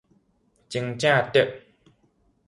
真正足